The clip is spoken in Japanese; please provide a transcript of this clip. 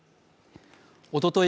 おととい